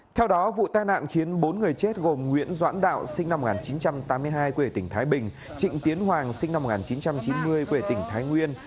theo đó vụ tai nạn khiến bốn người chết gồm nguyễn doãn đạo sinh năm một nghìn chín trăm tám mươi hai quê tỉnh thái bình trịnh tiến hoàng sinh năm một nghìn chín trăm chín mươi quê tỉnh thái nguyên